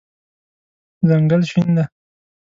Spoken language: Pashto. ځنګل شین دی